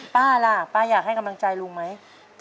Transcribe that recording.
ป้าล่ะป้าอยากให้กำลังใจลุงไหม